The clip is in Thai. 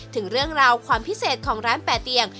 ถึงเรื่องราวความพิเศษของร้านแปดเตียง